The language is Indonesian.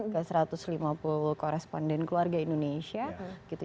ke satu ratus lima puluh koresponden keluarga indonesia gitu